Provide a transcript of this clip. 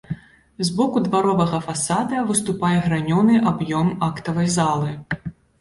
З боку дваровага фасада выступае гранёны аб'ём актавай залы.